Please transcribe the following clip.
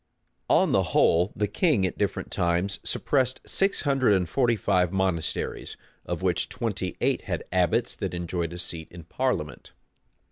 On the whole, the king at different times suppressed six hundred and forty five monasteries; of which twenty eight had abbots that enjoyed a seat in parliament.